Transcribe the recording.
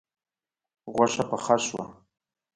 غوښه پخه شوه